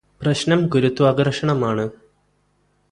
പ്രശ്നം ഗുരുത്വാകര്ഷണം ആണ്